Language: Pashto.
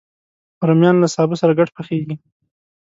رومیان له سابه سره ګډ پخېږي